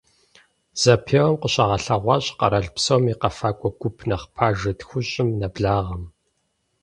Зэпеуэм зыкъыщагъэлъэгъуащ къэрал псом и къэфакӏуэ гуп нэхъ пажэ тхущӏым нэблагъэм.